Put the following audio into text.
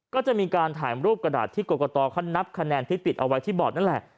ก็จะมีการถ่ายรูปกระดาษที่กรกตเขานับคะแนนที่ติดเอาไว้ที่บอร์ดนั่นแหละ